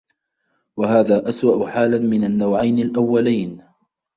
وَهَذَا أَسْوَأُ حَالًا مِنْ النَّوْعَيْنِ الْأَوَّلِينَ